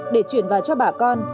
để chuyển vào cho bà con